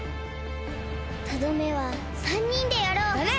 とどめは３にんでやろう！だね！